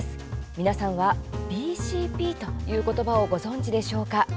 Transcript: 皆さんはＢＣＰという言葉をご存じでしょうか？